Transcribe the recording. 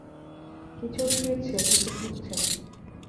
কিছু ফিরছে, কিছু ঢুকছে।